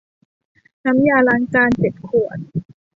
น้ำยาล้างจานเจ็ดขวด